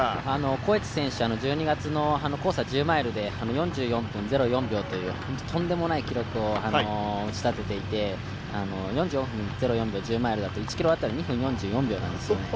コエチ選手、１２月の甲佐１０マイルで４４分０４秒というとんでもない記録を打ち立てていて４４分０４秒、１０マイルだと１ｋｍ当たり２分４４秒なんですね。